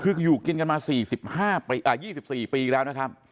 คืออยู่กินกันมา๒๔ปีแล้วนะครับ